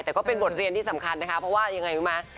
แต่ก็เป็นบทเรียนที่สำคัญนะคะเพราะว่ายังไงรู้ไหม